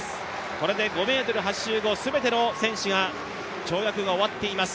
これで５ｍ８５全ての選手の跳躍が終わっています。